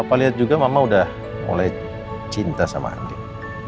papa liat juga mama udah mulai cinta sama andin